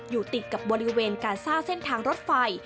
อยู่ติดกับบริเวณการสร้างเส้นทางรถไฟ